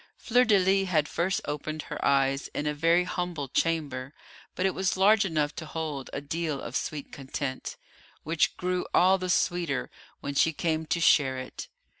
Fleur de lis had first opened her eyes in a very humble chamber, but it was large enough to hold a deal of sweet content, which grew all the sweeter when she came to share it.